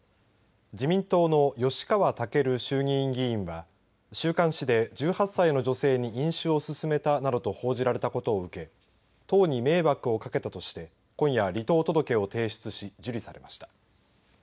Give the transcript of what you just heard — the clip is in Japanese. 自民党の吉川赳衆議院議員は週刊誌で１８歳の女性に飲酒をすすめたなどと報じられたことを受け党に迷惑をかけたとして今夜、離党届を提出し受理されました。